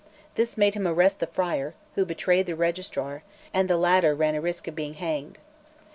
This made him arrest the friar, who betrayed the registrar, and the alter ran a risk of being hanged.